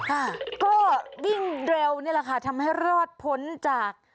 ค่ะก็วิ่งเร็วนี่แหละค่ะทำให้รอดพ้นจาก